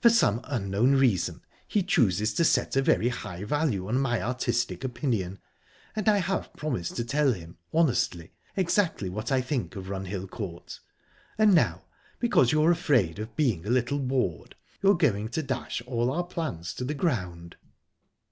For some unknown reason, he chooses to set a very high value on my artistic opinion, and I have promised to tell him honestly exactly what I think of Runhill Court...And now, because you're afraid of being a little bored, you're going to dash all our plans to the ground."